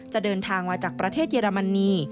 จะเดินทางมาจากประเทศเยอรมนี